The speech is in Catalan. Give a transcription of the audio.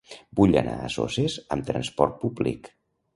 Vull anar a Soses amb trasport públic.